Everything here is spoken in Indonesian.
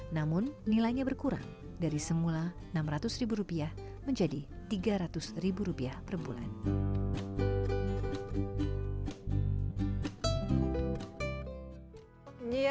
namun nilainya berkurang dari semula rp enam ratus menjadi rp tiga ratus per bulan